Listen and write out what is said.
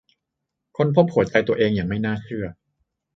ค้นพบหัวใจตัวเองอย่างไม่น่าเชื่อ